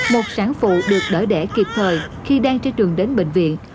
một sản phụ được đỡ đẻ kịp thời khi đang trên đường đến bệnh viện